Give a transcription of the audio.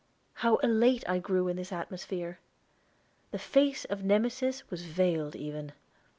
How elate I grew in this atmosphere! The face of Nemesis was veiled even.